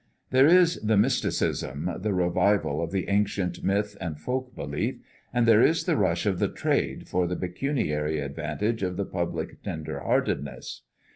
There is the mysticism, the revival of the ancient myth and folk belief; and there is the rush of "the trade" for the pecuniary advantages of the public tender heartedness.